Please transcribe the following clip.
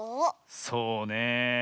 そうねえ。